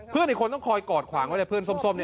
เพื่อนอีกคนต้องคอยกอดขวางไว้แต่เพื่อนส้มเนี่ยโอ้โหนี่